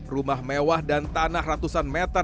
rumah mewah dan tanah ratusan meter